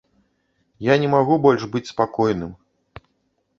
Я не магу больш быць спакойным.